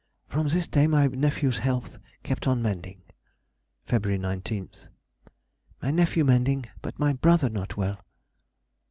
_—From this day my nephew's health kept on mending. Feb. 19th.—My nephew mending, but my brother not well.